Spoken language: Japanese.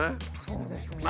そうですね。